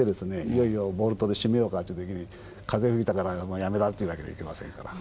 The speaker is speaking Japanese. いよいよボルトで締めようかという時に風吹いたからやめだというわけにいきませんから。